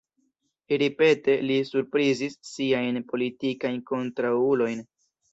Ripete li surprizis siajn politikajn kontraŭulojn.